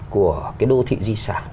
của cái đô thị di sản